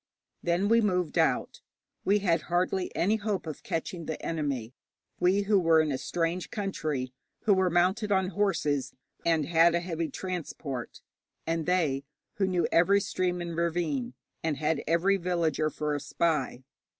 Then we moved out. We had hardly any hope of catching the enemy, we who were in a strange country, who were mounted on horses, and had a heavy transport, and they who knew every stream and ravine, and had every villager for a spy.